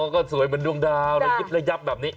ก็สวยเหมือนดวงดาวระยิบระยับแบบนี้